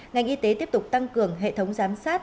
ngành y tế tiếp tục tăng cường hệ thống giám sát